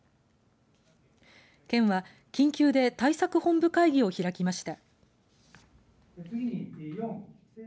県は、緊急で対策本部会議を開きました。